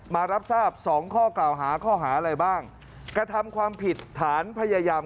มารับทราบ๒ข้อกล่าวหาข้อหาอะไรบ้าง